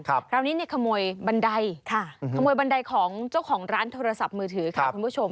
คราวนี้ขโมยบันไดของเจ้าของร้านโทรศัพท์มือถือค่ะคุณผู้ชม